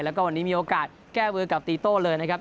แล้วก็วันนี้มีโอกาสแก้มือกับตีโต้เลยนะครับ